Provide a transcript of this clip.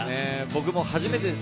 僕も初めてです。